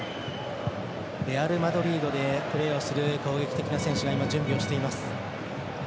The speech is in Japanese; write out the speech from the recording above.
レアルマドリードでプレーをする攻撃的な選手が準備をしています。